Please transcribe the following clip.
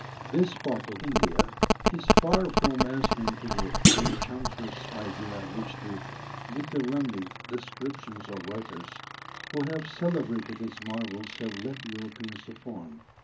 ] This part of India is far from answering to the "enchantress" idea which the dithyrambic descriptions of writers who have celebrated its marvels have led Europeans to form.